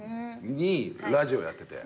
ラジオやってて。